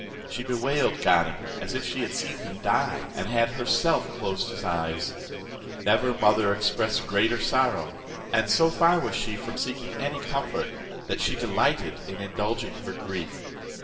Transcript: She bewailed Ganem as if she had seen him die, and had herself closed his eyes: never mother expressed greater sorrow; and so far was she from seeking any comfort, that she delighted in indulging her grief.